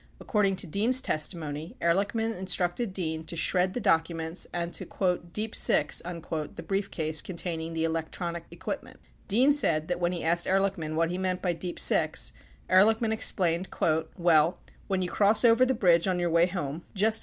According to Dean's testimony, Ehrlichman instructed Dean to shred the documents and to "deep six" the briefcase containing the electronic equipment. Dean said that when he asked Ehrlichman what he meant by "deep six," Ehrlichman ex plained, "Well, when you cross over the bridge on your way home, 90 3 Hearings 934 35 ; 7 Hearings 2822.